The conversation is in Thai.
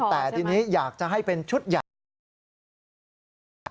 แต่ทีนี้อยากจะให้เป็นชุดใหญ่